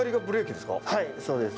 はいそうです。